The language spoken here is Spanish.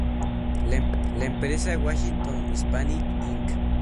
La empresa Washington Hispanic Inc.